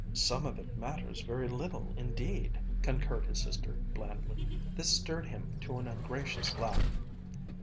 "Some of it matters very little indeed," concurred his sister blandly. This stirred him to an ungracious laugh.